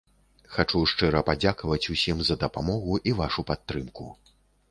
Хачу шчыра падзякаваць усім за дапамогу і вашу падтрымку!